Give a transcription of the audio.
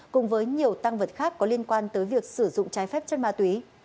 cùng với nhiều tăng vật khác có liên quan tới việc sử dụng trái phép chất ma túy